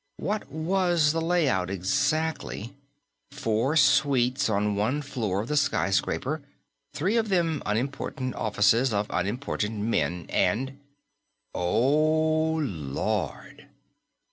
What was the layout, exactly? Four suites on one floor of the skyscraper, three of them unimportant offices of unimportant men. And _Oh, Lord!